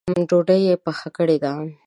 ډوډۍ یې پخه کړې ده؟